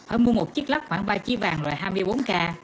ở mua một chiếc lắc khoảng ba chiếc vàng loại hai mươi bốn k